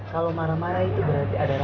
kalau marah marah itu berarti ada rasa